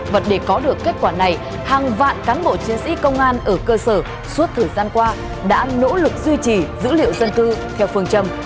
và để có được kết quả này hàng vạn cán bộ chiến sĩ công an ở cơ sở suốt thời gian qua đã nỗ lực duy trì dữ liệu dân cư theo phương châm